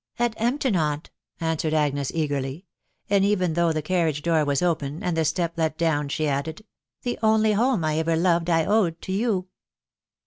"AtEmpton, aunt!" answered Agnes eagerly; and even though the carriage door was open, and the step let down, she added, ' e The only home 1 ever loved I owed to you."